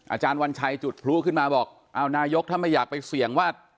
อาจารย์วัญชัยจุดพลุขึ้นมาบอกอ้าวนายกถ้าไม่อยากไปเสี่ยงว่า